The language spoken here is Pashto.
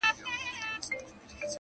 نن له سرو میو نشې تللي دي مستي ویده ده -